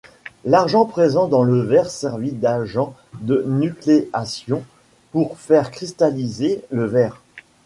L'argent présent dans le verre servit d'agent de nucléation pour faire cristalliser le verre.